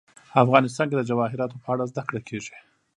افغانستان کې د جواهرات په اړه زده کړه کېږي.